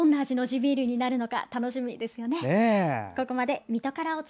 ビールになるのか楽しみですよね。